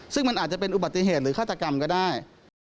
ซึ่งมันอาจจะเป็นอุบัติเหตุหรือฆาตกรรมก็ได้